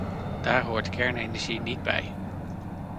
Daar hoort kernenergie niet bij!